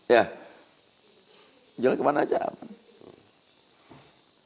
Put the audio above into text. jalan kemana saja aman